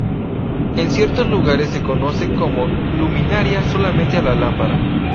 En ciertos lugares se conoce como luminaria solamente a la lámpara.